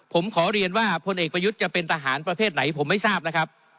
ผมขอเรียนว่าพลเอกประยุทธ์จะเป็นทหารประเภทไหนผมไม่ทราบนะครับ